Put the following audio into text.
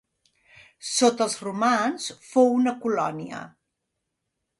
Sota els romans, fou una colònia.